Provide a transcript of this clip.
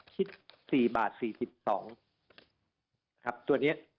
คิดสี่บาทสี่สิบสองครับตัวเนี้ย